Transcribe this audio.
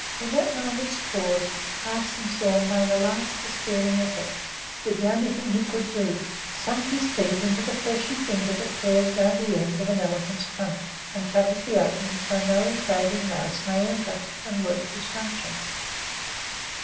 In that moment's pause Arstingstall made a last despairing effort, did the only thing he could do, sunk his teeth into the fleshy finger that curls around the end of an elephant's trunk and covers the opening so that no invading mouse may enter and work destruction.